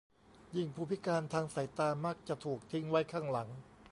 ยิ่งผู้พิการทางสายตามักจะถูกทิ้งไว้ข้างหลัง